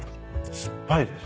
酸っぱいです。